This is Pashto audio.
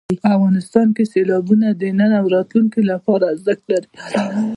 افغانستان کې سیلابونه د نن او راتلونکي لپاره ارزښت لري.